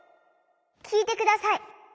きいてください。